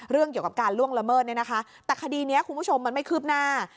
เรื่องเกี่ยวกับการล่วงละเมิดเนี่ยนะคะแต่คดีนี้คุณผู้ชมมันไม่คืบหน้า